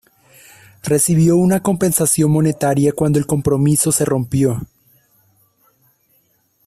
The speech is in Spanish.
Recibió una compensación monetaria cuando el compromiso se rompió.